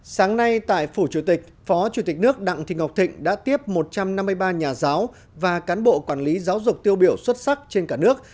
sáng nay tại phủ chủ tịch phó chủ tịch nước đặng thị ngọc thịnh đã tiếp một trăm năm mươi ba nhà giáo và cán bộ quản lý giáo dục tiêu biểu xuất sắc trên cả nước